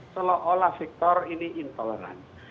seolah olah victor ini intoleran